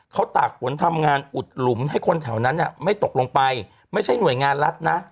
เขาตากฝนทำงานอุดหลุมให้คนแถวนั้นไม่ตกลงไปไม่ใช่หน่วยงานรัฐนะ